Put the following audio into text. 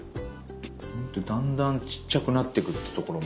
だんだんちっちゃくなってくるってところも。